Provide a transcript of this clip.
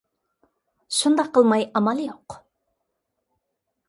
شۇنداق قىلماي ئامال يوق!